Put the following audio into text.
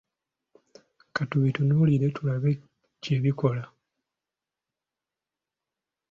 Katubitunuulire tulabe gyebikoma.